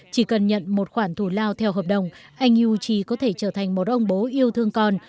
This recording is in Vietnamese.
chỉ cần nhận một khoản thủ lao theo hợp đồng anh yu chỉ có thể trở thành một ông bố yêu thương con